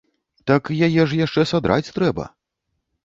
Так яе ж яшчэ садраць трэба.